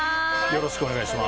よろしくお願いします。